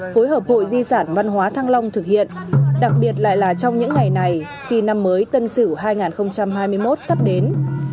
phối hợp hội di sản văn hóa thăng long thực hiện đặc biệt lại là trong những ngày này khi năm mới tân sửu hai nghìn hai mươi một sắp đến